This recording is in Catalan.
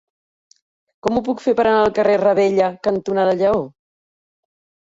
Com ho puc fer per anar al carrer Ravella cantonada Lleó?